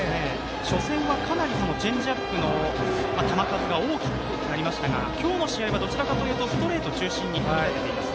初戦はかなりチェンジアップの球数が多くなりましたが今日の試合はストレート中心に投げています。